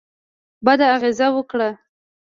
بده اغېزه وکړه.